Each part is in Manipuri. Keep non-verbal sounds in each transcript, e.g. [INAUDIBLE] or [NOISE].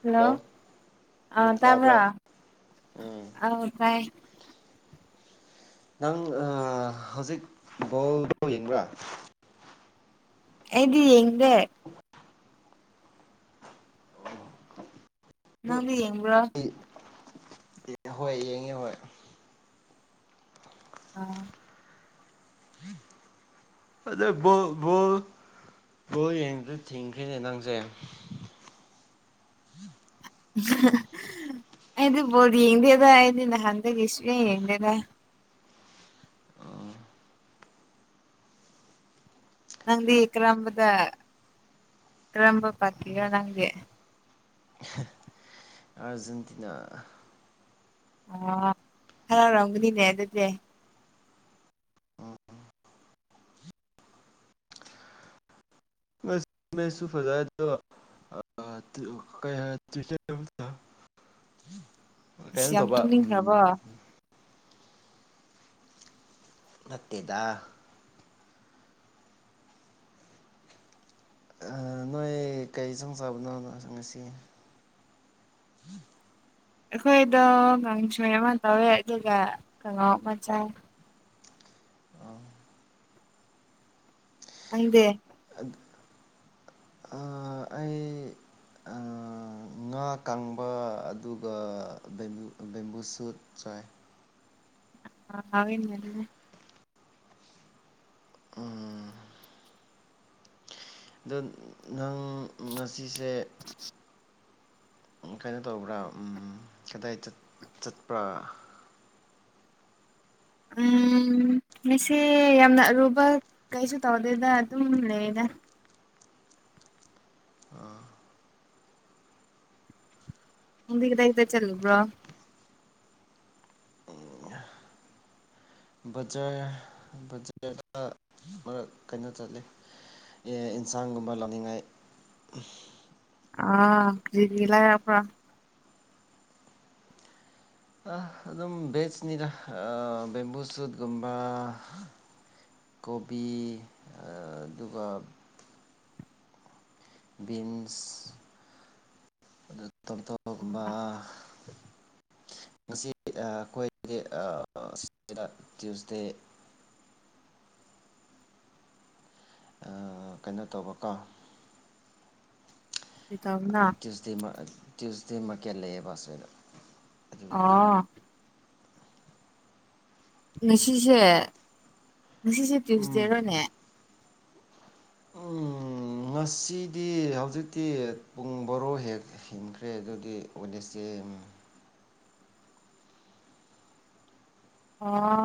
ꯍꯜꯂꯣ ꯑ ꯎꯝ ꯇꯕ꯭ꯔꯥ ꯇꯥꯕ꯭ꯔꯥ ꯎꯝ ꯑꯧ ꯇꯥꯏꯌꯦ ꯅꯪ ꯑꯥ ꯍꯧꯖꯤꯛ ꯕꯣꯜꯗꯣ ꯌꯦꯡꯕ꯭ꯔꯥ ꯑꯩꯗꯤ ꯌꯦꯡꯗꯦ ꯅꯪꯕꯤ ꯌꯦꯡꯕ꯭ꯔꯣ ꯍꯣꯏ ꯌꯦꯡꯉꯦ ꯍꯣꯏ ꯑ ꯑꯗꯣ ꯕꯣꯜ ꯕꯣꯜ ꯕꯣꯜ ꯌꯦꯡꯕꯗ ꯊꯤꯡꯈ꯭ꯔꯦꯅꯦ ꯅꯪꯁꯦ [UNINTELLIGIBLE] ꯑꯩꯗꯤ ꯕꯣꯜ ꯌꯦꯡꯗꯦꯗ ꯑꯩꯗꯤ ꯅꯍꯟꯈꯩꯗꯤ ꯁꯨꯛꯌꯦꯡ ꯌꯦꯡꯗꯦꯗ ꯅꯪꯗꯤ ꯀ꯭ꯔꯝꯕꯗ ꯀ꯭ꯔꯝꯕ ꯄꯇꯤꯒ ꯅꯪꯗꯤ ꯑꯥꯔꯖꯦꯟꯇꯤꯅꯥ ꯑ ꯍꯔꯥꯎꯔꯝꯒꯅꯤꯅꯦ ꯑꯗꯨꯗꯤ ꯃꯁꯨ ꯐꯖꯥꯏꯗ ꯀ ꯇ [UNINTELLIGIBLE] ꯑꯁ ꯀꯩꯅꯣ ꯌꯥꯝ ꯇꯧꯕ ꯇꯨꯝꯅꯤꯡꯈ꯭ꯔꯕꯣ ꯎꯝ ꯅꯠꯇꯦꯗ ꯅꯣꯏ ꯀꯔꯤ ꯆꯣꯡ ꯆꯥꯕꯅꯣ ꯉꯁꯤ [INAUDIBLE] ꯑꯩꯈꯣꯏꯗꯣ ꯀꯥꯡꯁꯣꯏ ꯑꯃ ꯇꯧꯋꯦ ꯑꯗꯨꯒ ꯀꯥꯡꯉꯧ ꯑꯃ ꯆꯥꯏ ꯑ ꯈꯪꯗꯦ ꯑ ꯑꯩ ꯉꯥ ꯀꯪꯕ ꯑꯗꯨꯒ ꯕꯦꯝꯕꯨꯁꯨꯠ ꯆꯥꯏ ꯑ ꯍꯤꯟꯅꯦꯅ [UNINTELLIGIBLE] ꯎꯝ ꯑꯗꯣ ꯅꯪ ꯉꯁꯤꯁꯦ ꯀꯩꯅꯣ ꯇꯧꯕ꯭ꯔꯥ ꯀꯗꯥꯏ ꯆꯠꯄ꯭ꯔꯥ ꯎꯝ ꯑꯩꯁꯦ ꯌꯥꯝꯅ ꯑꯔꯨꯕ ꯀꯩꯁꯨ ꯇꯧꯗꯦꯗ ꯑꯗꯨꯝ ꯂꯩꯗ ꯑꯥ ꯅꯪꯗꯤ ꯀꯗꯥꯏ ꯀꯗꯥꯏ ꯆꯠꯂꯨꯕ꯭ꯔꯣ ꯕꯖ꯭ꯔꯗ ꯀꯩꯅꯣ ꯆꯠꯂꯤ ꯑꯦꯟꯁꯥꯡꯒꯨꯝꯕ ꯂꯥꯛꯅꯤꯡꯉꯥꯏ ꯑꯥ ꯀꯔꯤꯒꯤ ꯂꯩꯔꯛꯄ ꯑꯗꯨꯝ ꯕꯦꯁꯅꯤꯗ ꯕꯦꯝꯕꯨ ꯁꯨꯠꯀꯨꯝꯕ ꯀꯣꯕꯤ ꯑꯗꯨꯒ ꯏꯟꯁ ꯇꯣꯞ ꯇꯣꯞꯄꯒꯨꯝꯕ ꯑ ꯉꯁꯤ ꯑꯩꯈꯣꯏꯗꯤ ꯇ꯭ꯌꯨꯁꯗꯦ [INAUDIBLE] ꯀꯩꯅꯣ ꯇꯧꯕꯀꯣ ꯀꯔꯤ ꯇꯧꯕꯅꯣ ꯇ꯭ꯌꯨꯁꯗꯦ ꯇ꯭ꯌꯨꯁꯗꯦ ꯃꯀ ꯂꯩꯑꯦ ꯐꯁꯔ ꯑ ꯉꯁꯤꯁꯦ ꯉꯁꯤꯁꯦ ꯎꯝ ꯇ꯭ꯌꯨꯁꯗꯦꯔꯣꯅꯦ ꯎꯝ ꯉꯁꯤꯗꯤ ꯍꯧꯖꯤꯛꯇꯤ ꯄꯨꯡ ꯚꯔꯣ ꯍꯦꯛ ꯍꯦꯈ꯭ꯔꯦ ꯑꯗꯨꯗꯤ ꯋꯥꯏꯅꯁꯗꯦ [INAUDIBLE] ꯑꯣ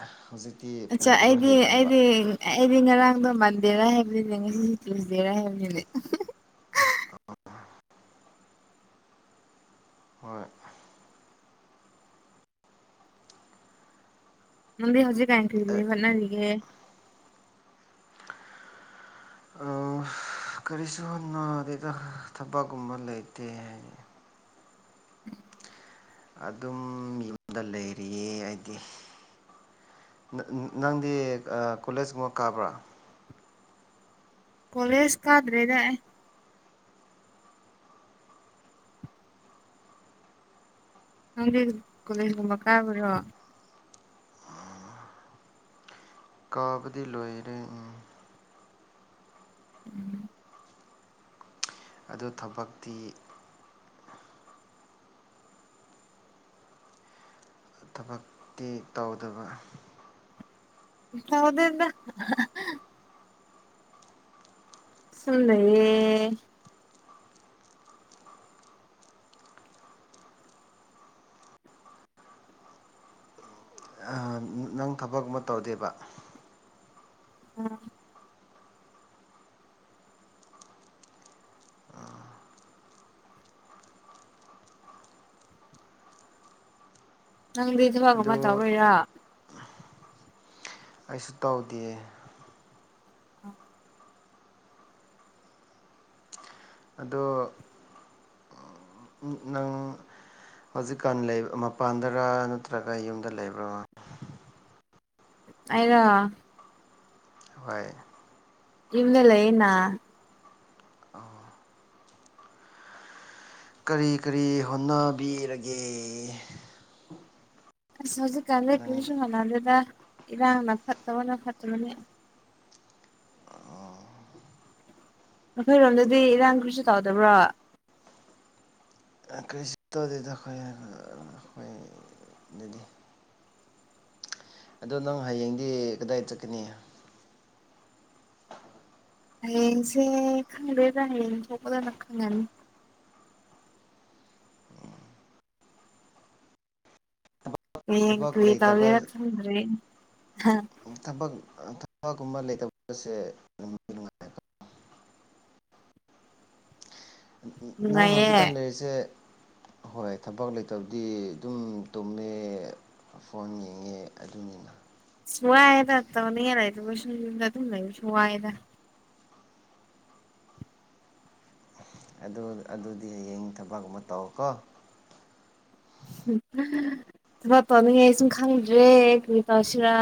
ꯑꯥ ꯍꯧꯖꯤꯛ ꯑꯆꯥ ꯑꯩꯗꯤ ꯑꯩꯗꯤ ꯑꯩꯗꯤ ꯉꯔꯥꯡ ꯗꯣ ꯃꯥꯟꯗꯦꯔꯥ ꯍꯥꯏꯕꯅꯤꯅꯦ ꯉꯁꯤꯁꯨ ꯇꯨꯏꯁꯗꯦꯔꯥ ꯍꯥꯏꯕꯅꯤꯅꯦ ꯍꯣꯏ ꯅꯪꯗꯤ ꯍꯧꯖꯤꯛ ꯀꯥꯟ ꯀꯔꯤ ꯀꯔꯤ ꯍꯣꯠꯅꯔꯤꯒꯦ ꯀꯔꯤꯁꯨ ꯍꯣꯠꯅꯣꯗꯦꯗ ꯊꯕꯛꯀꯨꯝꯕ ꯂꯩꯇꯦ ꯍꯥꯏꯌꯦ ꯑꯗꯨꯝ ꯌꯨꯝꯗ ꯂꯩꯔꯤꯌꯦ ꯑꯩꯗꯤ ꯅꯪꯗꯤ ꯑꯥ ꯀꯣꯂꯦꯖꯀꯨꯝꯕ ꯀꯥꯕ꯭ꯔꯥ ꯀꯣꯂꯦꯁ ꯀꯗ꯭ꯔꯦꯗ ꯑꯩ ꯅꯪꯗꯤ ꯀꯣꯂꯦꯖꯒꯨꯝꯕ ꯀꯥꯕ꯭ꯔꯣ ꯀꯥꯕꯗꯤ ꯂꯣꯏꯔꯦ ꯑꯪ ꯎꯝ ꯑꯗꯨ ꯊꯕꯛꯇꯤ ꯊꯕꯛꯇꯤ ꯇꯧꯗꯕ ꯇꯧꯗꯦꯗ ꯍꯥꯍꯥꯍꯥ ꯁꯨꯝ ꯂꯩꯌꯦ ꯅꯪ ꯊꯕꯀꯨꯝꯕ ꯇꯧꯗꯦꯕ ꯎꯝ ꯅꯪꯗꯤ ꯊꯕꯛ ꯀꯨꯝꯕ ꯑꯗꯨ ꯇꯧꯕꯩꯔꯣ ꯑꯩꯁꯨ ꯇꯧꯗꯤꯌꯦ ꯑꯗꯣ ꯅꯪ ꯍꯧꯖꯤꯛꯀꯥꯟ ꯂꯩ ꯃꯄꯥꯟꯗꯔ ꯅꯠꯇ꯭ꯔꯒ ꯌꯨꯝꯗ ꯂꯩꯕ꯭ꯔꯥ ꯑꯩꯔꯣ ꯍꯣꯏ ꯌꯨꯝꯗ ꯂꯩꯌꯦꯅ ꯀꯔꯤ ꯀꯔꯤ ꯍꯣꯠꯅꯕꯤꯔꯒꯦ ꯑꯁ ꯍꯧꯖꯤꯛꯀꯥꯟ ꯁꯦ ꯅꯪ ꯀꯔꯤꯁꯨ ꯍꯣꯠꯅꯗꯦꯗ ꯏꯔꯥꯡꯅ ꯐꯠꯇꯕꯅ ꯐꯠꯇꯕꯅ ꯅꯈꯣꯏꯔꯣꯝꯗꯗꯤ ꯏꯔꯥꯡ ꯀꯔꯤꯁꯨ ꯇꯧꯗꯕ꯭ꯔꯣ ꯏꯔꯥꯡ ꯀꯔꯤꯁꯨ ꯇꯧꯗꯦꯗ ꯑꯩꯈꯣꯏ ꯑꯩꯈꯣꯏ ꯑꯗꯨꯗꯤ ꯑꯗꯣ ꯅꯪ ꯍꯌꯦꯡꯗꯤ ꯀꯗꯥꯏ ꯆꯠꯀꯅꯤ ꯍꯌꯦꯡꯁꯦ ꯈꯪꯗꯦꯗ ꯍꯌꯦꯡ ꯇꯣꯛꯄꯗ ꯈꯪꯒꯅꯤ ꯍꯌꯦꯡ ꯊꯕꯛ ꯀꯔꯤ ꯇꯧꯒꯦꯔ ꯂꯩꯇꯕ ꯈꯪꯗꯔꯦ ꯊꯕꯛ ꯊꯕꯛꯀꯨꯝꯕ ꯂꯩꯇꯕꯁꯦ ꯅꯨꯡꯗꯤ ꯅꯨꯉꯥꯢ ꯅꯪ ꯍꯧꯖꯤꯛꯀꯥꯟ ꯅꯨꯡꯉꯥꯏꯌꯦ ꯂꯩꯔꯤꯁꯦ ꯍꯣꯏ ꯊꯕꯛ ꯂꯩꯇꯕꯗꯤ ꯑꯗꯨꯝ ꯇꯨꯝꯃꯦ ꯐꯣꯟ ꯌꯦꯡꯉꯦ ꯑꯗꯨꯅꯤꯅ ꯑꯁ ꯋꯥꯌꯦꯗ ꯇꯧꯅꯤꯡ ꯉꯥꯢ ꯂꯩꯇꯕꯁꯨ ꯌꯨꯝꯗ ꯑꯗꯨꯝ ꯂꯩꯕꯁꯨ ꯋꯥꯢꯗ ꯑꯗꯨ ꯑꯗꯨꯗꯤ ꯍꯌꯦꯡ ꯊꯕꯛ ꯑꯃ ꯇꯧꯀꯣ ꯊꯕꯛ ꯄꯥꯝꯃꯤ ꯑꯩ ꯁꯨꯝ ꯈꯪꯗ꯭ꯔꯦ ꯀꯔꯤ ꯇꯧꯁꯤꯔꯥ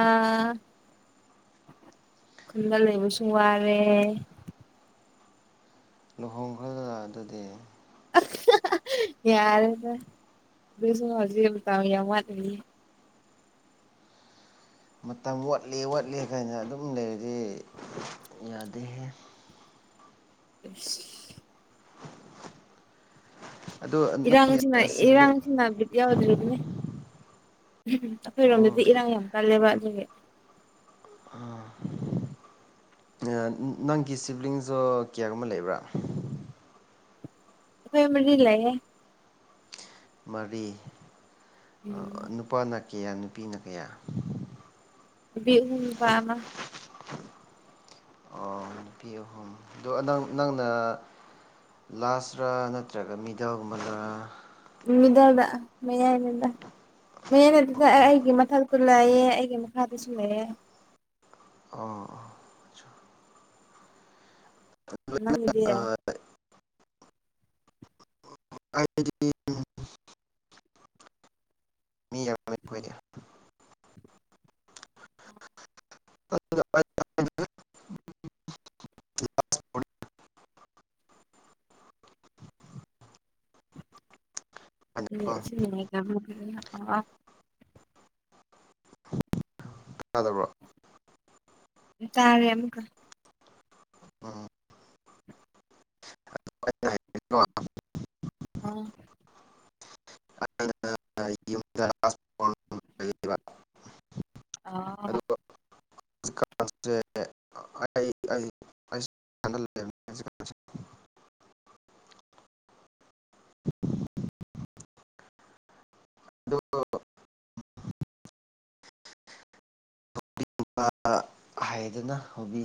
ꯈꯨꯟꯗ ꯂꯩꯕꯁꯨ ꯋꯥꯔꯦ ꯂꯨꯍꯣꯡꯈ꯭ꯔꯒ ꯑꯗꯨꯗꯤ ꯑꯁ ꯍꯥꯍꯥ ꯌꯥꯔꯦꯗ ꯑꯗꯨꯁꯨ ꯍꯧꯖꯤꯛ ꯃꯇꯝ ꯌꯥꯝ ꯋꯥꯠꯂꯤꯌꯦ ꯃꯇꯝ ꯋꯥꯠꯂꯤ ꯋꯥꯠꯂꯤ ꯍꯥꯏꯅ ꯑꯗꯨꯝ ꯂꯩꯔꯗꯤ ꯌꯥꯗꯦꯍꯦ ꯑꯁ ꯑꯗꯣ ꯅꯪꯒꯤ ꯏꯔꯥꯡꯁꯤꯅ ꯁꯤꯕ꯭ꯂꯤꯡ ꯏꯔꯥꯡꯁꯤꯅ ꯕꯤꯠ ꯌꯥꯎꯗ꯭ꯔꯤꯕꯅꯤ ꯎꯝ [UNINTELLIGIBLE] ꯎꯝ ꯑꯩꯈꯣꯏꯔꯣꯝꯗꯗꯤ ꯏꯔꯥꯡ ꯌꯥꯝ ꯀꯜꯂꯦꯕ ꯑꯗꯨꯒꯤ ꯎꯝ ꯎꯝ ꯅꯪꯒꯤ ꯁꯤꯕ꯭ꯂꯤꯡꯗꯣ ꯀꯌꯥꯒꯨꯝꯕ ꯂꯩꯕ꯭ꯔ ꯑꯩꯈꯣꯏ ꯃꯔꯤ ꯂꯩꯌꯦ ꯃꯔꯤ ꯑ ꯎꯝ ꯅꯨꯄꯥꯅ ꯀꯌꯥ ꯅꯨꯄꯤꯅ ꯀꯌꯥ ꯅꯨꯄꯤ ꯑꯍꯨꯝ ꯅꯨꯄꯥ ꯑꯃ ꯑꯣ ꯅꯨꯄꯤ ꯑꯍꯨꯝ ꯑꯗꯨ ꯅꯪ ꯅꯪꯅ ꯂꯥꯁꯔ ꯅꯠꯇ꯭ꯔꯒ ꯃꯤꯗꯜ ꯒꯨꯝꯕꯔ ꯃꯤꯗꯥꯜꯗ ꯃꯌꯥꯏꯅꯦꯗ ꯃꯌꯥꯏ ꯅꯠꯇꯦꯗ ꯑꯩꯒꯤ ꯃꯊꯛꯇꯁꯨ ꯂꯩꯥꯌꯦ ꯑꯩꯒꯤ ꯃꯈꯥꯗꯁꯨ ꯂꯩꯌꯦ ꯑꯣ ꯅꯪꯒꯤꯗꯤ ꯑꯩꯗꯤ [UNINTELLIGIBLE] ꯃꯤ ꯌꯥꯝꯃꯦ ꯑꯩꯈꯣꯏꯗꯤ ꯑꯦ ꯀꯣ ꯑꯁꯤꯅ [UNINTELLIGIBLE] ꯇꯥꯗꯕ꯭ꯔꯣ ꯇꯥꯔꯦ ꯑꯃꯨꯛꯀ ꯎꯝ ꯑꯩꯅ ꯍꯥꯏꯕꯗꯤꯀꯣ ꯑ ꯑꯩꯅ ꯌꯨꯝꯗ ꯂꯩꯕ ꯑ ꯑꯗꯨ ꯑꯩ ꯑꯩ ꯑ ꯑ ꯍꯥꯏꯗꯅ ꯍꯧꯕꯤ